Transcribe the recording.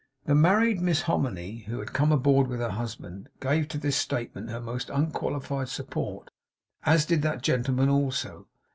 The married Miss Hominy, who had come on board with her husband, gave to this statement her most unqualified support, as did that gentleman also.